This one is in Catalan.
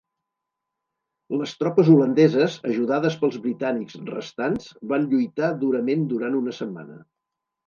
Les tropes holandeses, ajudades pels britànics restants, van lluitar durament durant una setmana.